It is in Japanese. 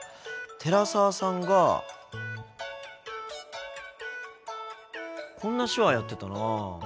寺澤さんがこんな手話やってたな。